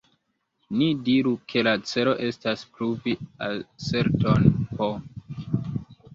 Ni diru, ke la celo estas pruvi aserton "p".